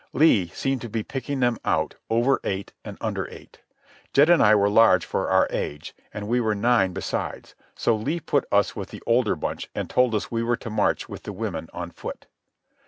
Lee seemed to be picking them out over eight and under eight. Jed and I were large for our age, and we were nine besides; so Lee put us with the older bunch and told us we were to march with the women on foot.